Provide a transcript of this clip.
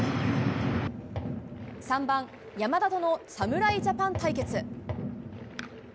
３番、山田との侍ジャパン対決。